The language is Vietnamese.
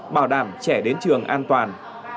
bảo đảm trẻ đến trường an toàn